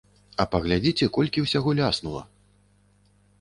А паглядзіце, колькі ўсяго ляснула.